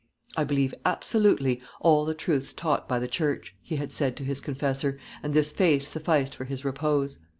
"I believe, absolutely, all the truths taught by the church," he had said to his confessor, and this faith sufficed for his repose.